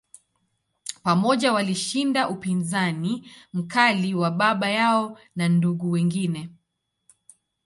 Pamoja, walishinda upinzani mkali wa baba yao na ndugu wengine.